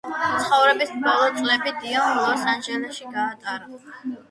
ცხოვრების ბოლო წლები დიომ ლოს-ანჟელესში გაატარა.